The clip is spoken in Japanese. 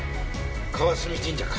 川澄神社か。